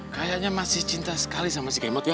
kayaknya masih cinta sekali sama si kemot ya